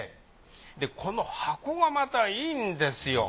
この箱がまたいいんですよ。